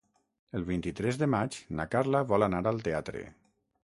El vint-i-tres de maig na Carla vol anar al teatre.